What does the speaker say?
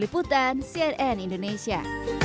liputan cnn indonesia